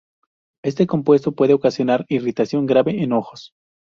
Este compuesto puede ocasionar irritación grave en ojos.